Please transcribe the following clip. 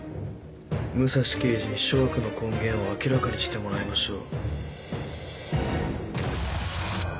武蔵刑事に諸悪の根源を明らかにしてもらいましょう。